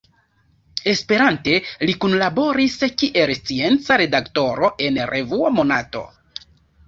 Esperante, li kunlaboris kiel scienca redaktoro en revuo Monato.